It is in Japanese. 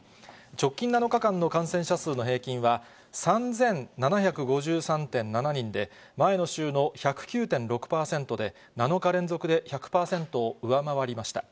直近７日間の感染者数の平均は、３７５３．７人で、前の週の１０９．６％で、７日連続で１００％を上回りました。